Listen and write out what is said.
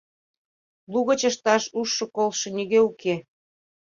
Лугыч ышташ ужшо-колшо нигӧ уке.